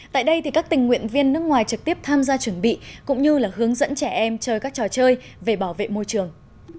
tại đây các tình nguyện viên nước ngoài trực tiếp tham gia chuẩn bị cũng như là hướng dẫn trẻ em chơi các trò chơi về bảo vệ môi trường